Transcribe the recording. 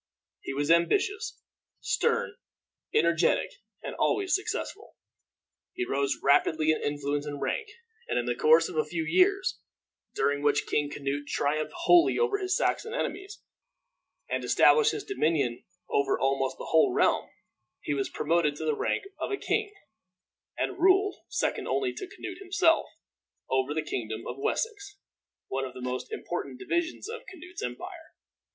He was ambitious, stern, energetic, and always successful. He rose rapidly in influence and rank, and in the course of a few years, during which King Canute triumphed wholly over his Saxon enemies, and established his dominion over almost the whole realm, he was promoted to the rank of a king, and ruled, second only to Canute himself, over the kingdom of Wessex, one of the most important divisions of Canute's empire.